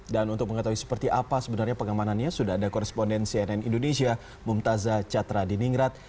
dan untuk mengetahui seperti apa sebenarnya pengamanannya sudah ada koresponden cnn indonesia mumtazah catra di ningrat